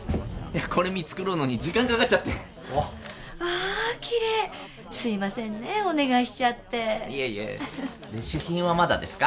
これ見繕うのに時間かかっちゃってわあきれいすいませんねお願いしちゃっていえいえで主賓はまだですか？